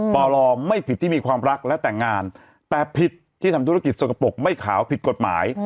ปลไม่ผิดที่มีความรักและแต่งงานแต่ผิดที่ทำธุรกิจสกปรกไม่ขาวผิดกฎหมาย